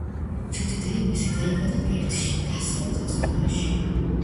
ჯუდი დეივისი დაიბადა პერთში, დასავლეთი ავსტრალიაში.